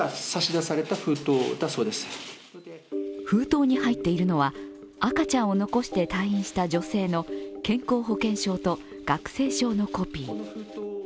封筒に入っているのは、赤ちゃんを残して退院した女性の健康保険証と学生証のコピー。